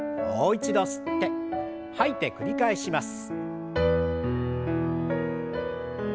もう一度吸って吐いて繰り返します。